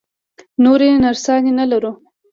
نورې نرسانې نه لرو؟